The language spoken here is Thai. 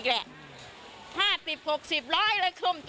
ขายไปแต่ก็คิดกับคนซื้อก่อนทะ